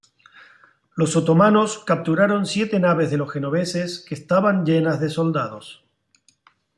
Los otomanos capturaron siete naves de los genoveses que estaban llenas de soldados.